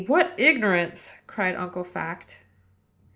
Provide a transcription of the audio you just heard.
what ignorance!" cried Uncle Fact.